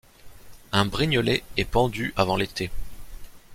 Un Brignolais est pendu avant l’été.